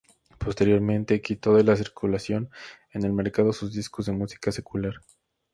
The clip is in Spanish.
Posteriormente quitó de la circulación en el mercado sus discos de música secular.